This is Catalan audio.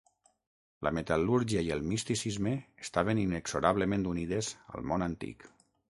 La metal·lúrgia i el misticisme estaven inexorablement unides al món antic.